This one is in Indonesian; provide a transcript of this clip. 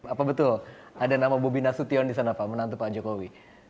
apa betul ada nama bobi nasution di sana pak menantu pak jokowi